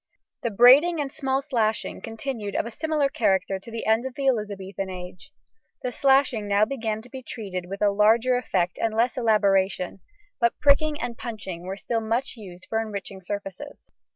The braiding and small slashing continued of a similar character to the end of the Elizabethan age. The slashing now began to be treated with a larger effect and less elaboration, but pricking and punching were still much used for enriching surfaces.